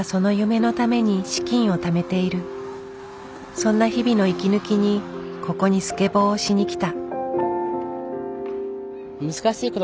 そんな日々の息抜きにここにスケボーをしにきた。